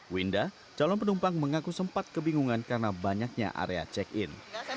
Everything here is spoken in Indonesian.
winda calon penumpang mengaku sempat kebingungan karena banyaknya area check in